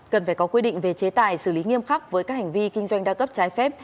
cần phải có quy định về chế tài xử lý nghiêm khắc với các hành vi kinh doanh đa cấp trái phép